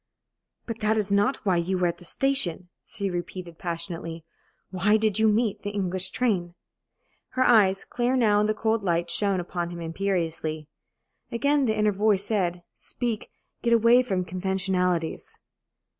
"But that is not why you were at the station," she repeated, passionately. "Why did you meet the English train?" Her eyes, clear now in the cold light, shone upon him imperiously. Again the inner voice said: "Speak get away from conventionalities.